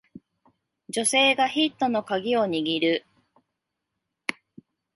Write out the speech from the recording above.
女性がヒットのカギを握る